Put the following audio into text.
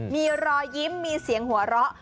มีรอยยิ้มมีเสียงหัวเราะ